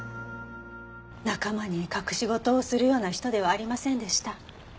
仲間に隠し事をするような人ではありませんでした。